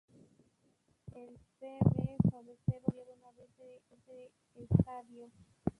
El C. D. Fabero solo ha cambiado una vez de estadio.